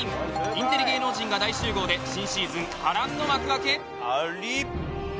インテリ芸能人が大集合で新シーズン波乱の幕開け。